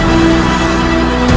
kaman tolong ben